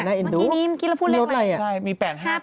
เมื่อกี้แล้วพูดเลขอะไรมี๘๕